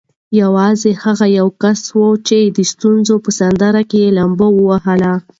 یوازې هغه یو کس و چې د ستونزو په سمندر کې یې لامبو ووهله.